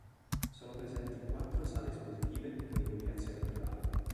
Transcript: Sono presenti quattro sale espositive con illuminazione naturale.